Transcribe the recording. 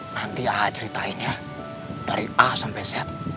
nanti ah ceritain ya dari a sampai z